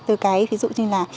từ cái ví dụ như là